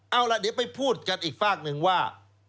เอาล่ะเดี๋ยวไปพูดกันอีกฝากหนึ่งว่า